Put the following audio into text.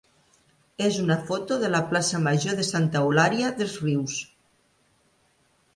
és una foto de la plaça major de Santa Eulària des Riu.